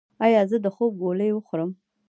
ایا زه د خوب ګولۍ وخورم؟